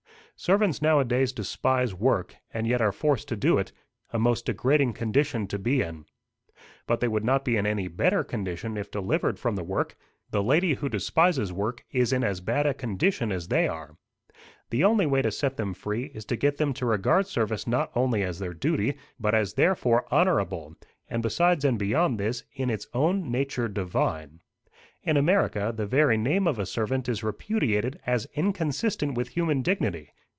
Servants nowadays despise work, and yet are forced to do it a most degrading condition to be in. But they would not be in any better condition if delivered from the work. The lady who despises work is in as bad a condition as they are. The only way to set them free is to get them to regard service not only as their duty, but as therefore honourable, and besides and beyond this, in its own nature divine. In America, the very name of servant is repudiated as inconsistent with human dignity.